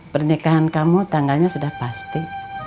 pernikahan kamu tanggalnya sudah pasti